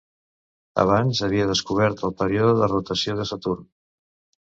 Abans havia descobert el període de rotació de Saturn.